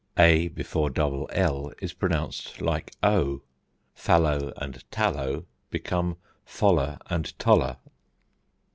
a before double l is pronounced like o; fallow and tallow become foller and toller.